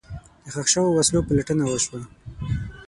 د ښخ شوو وسلو پلټنه وشوه.